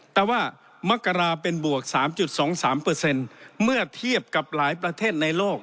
แต่ว่ามกราเป็นบวก๓๒๓เมื่อเทียบกับหลายประเทศในโลก